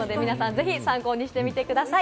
ぜひ参考にしてみてください。